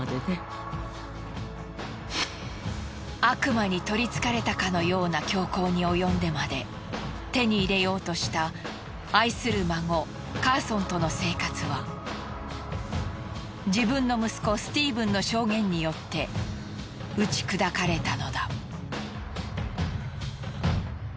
悪魔にとり付かれたかのような凶行に及んでまで手に入れようとした愛する孫カーソンとの生活は自分の息子スティーブンの証言によって打ち砕かれたのだ。